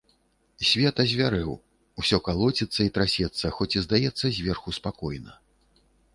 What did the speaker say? Свет азвярэў, усё калоціцца і трасецца, хоць і здаецца зверху спакойна.